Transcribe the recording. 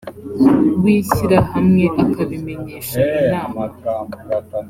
w ishyirahamwe akabimenyesha inama